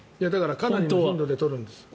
かなりの頻度で取ってるんです。